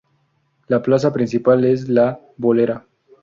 La plaza principal es La Bolera.